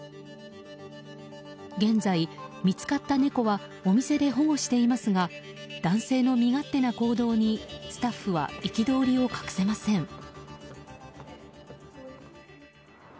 現在、見つかった猫はお店で保護していますが男性の身勝手な行動にスタッフは憤りを隠せません。